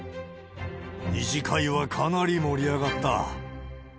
２次会はかなり盛り上がった。